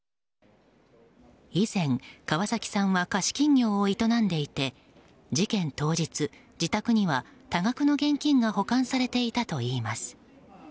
以前、川崎さんは貸金業を営んでいて事件当日、自宅には多額の現金が保管されていたといいます。